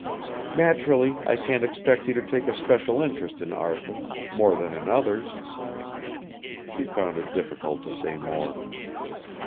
Naturally I can't expect you to take a special interest in Arthur, more than in others " She found it difficult to say more.